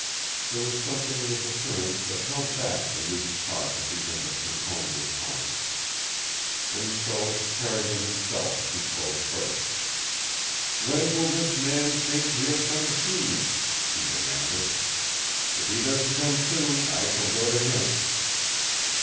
There was something in his appearance that held back the loose talk at the end of Concombre's tongue. And so it was Carrigan himself who spoke first. "When will this man St. Pierre come to see me?" he demanded. "If he doesn't come soon, I shall go to him."